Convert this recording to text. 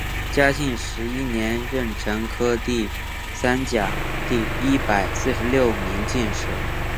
嘉靖十一年壬辰科第三甲第一百四十六名进士。